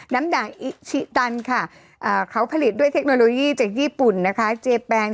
น้ำด่างอิสิตันค่ะผลิตด้วยเทคโนโลยีจากญี่ปุ่น